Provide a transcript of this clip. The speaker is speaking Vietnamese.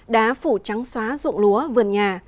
đá phủ trắng xóa ruộng lúa vườn nhà